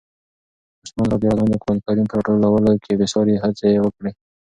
عثمان رض د قرآن کریم په راټولولو کې بې ساري هڅې وکړې.